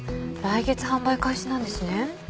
来月販売開始なんですね。